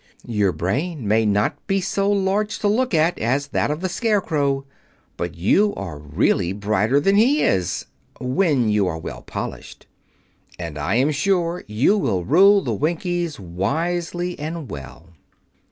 Your brain may not be so large to look at as those of the Scarecrow, but you are really brighter than he is—when you are well polished—and I am sure you will rule the Winkies wisely and well."